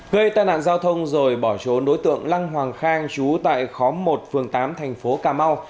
gây tai nạn giao thông rồi bỏ trốn đối tượng lăng hoàng khang chú tại khóm một phường tám thành phố cà mau